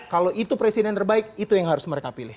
kalau itu presiden terbaik itu yang harus mereka pilih